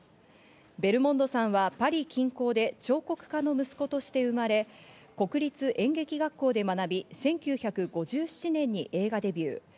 ベルモンドさんはパリ近郊で彫刻家の息子として生まれ、国立演劇学校で学び、１９５７年に映画デビュー。